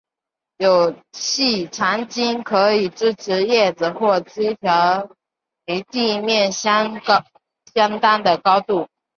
有细长茎可以支持叶子或枝条离地面相当的高度。